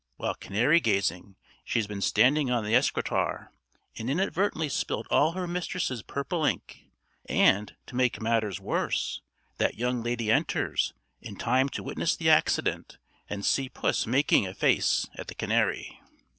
While canary gazing, she has been standing on the escritoire, and inadvertently spilled all her mistress's purple ink; and, to make matters worse, that young lady enters, in time to witness the accident and see puss making a face at the canary.